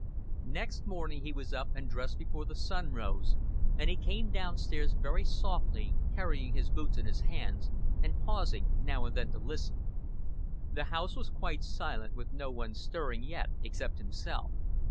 Next morning he was up and dressed before the sun rose, and he came down stairs very softly, carrying his boots in his hands, and pausing now and then to listen. The house was quite silent, with no one stirring yet except himself.